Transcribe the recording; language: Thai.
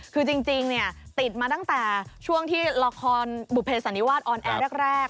คือจริงติดมาตั้งแต่ช่วงที่ละครบุเภสันนิวาสออนแอร์แรก